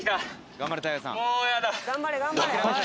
頑張れ頑張れ。